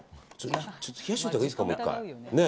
ちょっと冷やしておいたほうがいいですか？